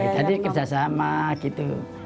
tadi kerjasama gitu